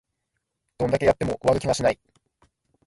どんだけやっても終わる気がしない